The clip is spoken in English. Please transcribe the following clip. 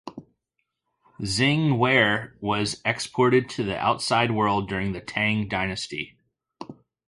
Xing ware was exported to the outside world during the Tang dynasty.